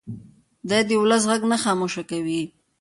دی د ولس غږ نه خاموشه کوي.